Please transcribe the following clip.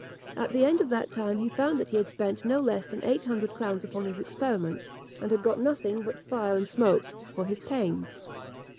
At the end of that time, he found that he had spent no less than eight hundred crowns upon his experiment, and had got nothing but fire and smoke for his pains.